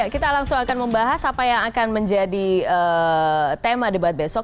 kita langsung akan membahas apa yang akan menjadi tema debat besok